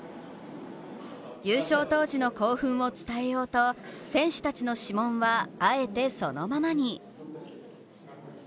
優勝当時の興奮を伝えようと選手たちの指紋はあえてそのままに。